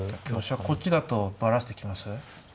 香車こっちだとバラしてきます？